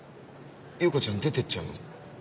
優子ちゃん出てっちゃうの？